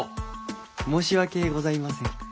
申し訳ございません。